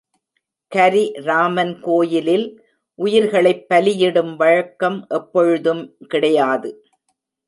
கரி ராமன் கோயிலில் உயிர்களைப் பலியிடும் வழக்கம் எப்பொழுதும் கிடையாது.